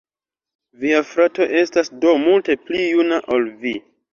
Via frato estas do multe pli juna ol vi.